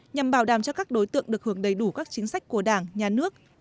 nhằm bảo đảm cho các đối tượng được hưởng đầy đủ các chính sách của đảng nhà nước